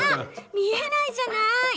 見えないじゃない。